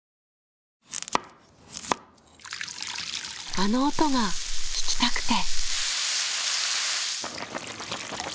あの音が聞きたくて。